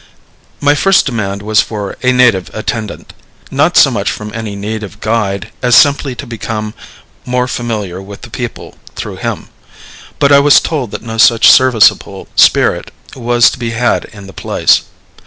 My first demand was for a native attendant, not so much from any need of guide as simply to become more familiar with the people through him; but I was told that no such serviceable spirit was to be had in the place.